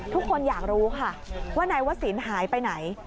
ทุกคนอยากรู้ค่ะว่านายวศิลป์หายไปไหน